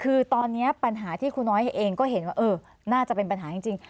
คือตอนนี้ปัญหาที่ครูน้อยเองก็เห็นว่าเออน่าจะเป็นปัญหาจริง